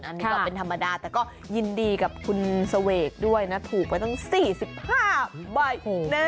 อันนี้ก็เป็นธรรมดาแต่ก็ยินดีกับคุณเสวกด้วยนะถูกไปตั้ง๔๕ใบ